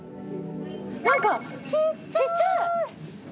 何かちっちゃい！